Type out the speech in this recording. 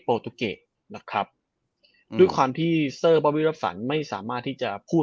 ตุเกะนะครับด้วยความที่เซอร์บอบบี้รับสันไม่สามารถที่จะพูด